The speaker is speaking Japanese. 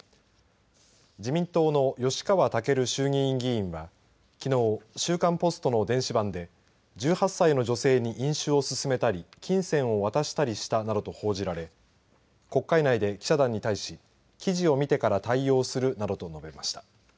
自民党の吉川赳衆議院議員は、きのう週刊ポストの電子版で１８歳の女性に飲酒をすすめたり金銭を渡したりしたなどと報じられ国会内で記者団に対し記事を見てから対応するなどと述べました。